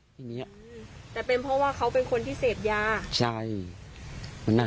แต่เป็นเพราะว่าเขาเป็นคนที่เสพยา